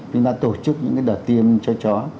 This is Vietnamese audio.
chúng ta tổ chức những cái đợt tiêm cho chó